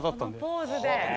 ポーズで。